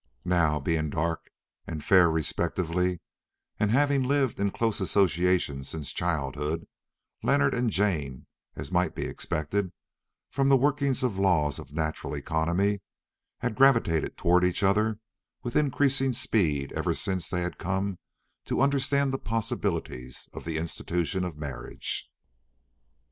Now, being dark and fair respectively and having lived in close association since childhood, Leonard and Jane, as might be expected from the working of the laws of natural economy, had gravitated towards each other with increasing speed ever since they had come to understand the possibilities of the institution of marriage.